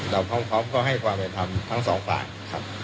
พร้อมก็ให้ความเป็นธรรมทั้งสองฝ่ายครับ